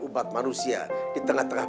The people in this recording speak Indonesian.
ubat manusia di tengah tengah